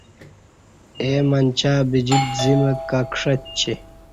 اے منچیہ بجیت زیمہ کہ کݜہ چی